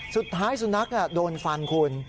สุดท้ายสุนัขโดนฟันคุณ